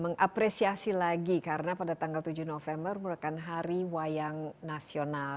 mengapresiasi lagi karena pada tanggal tujuh november merupakan hari wayang nasional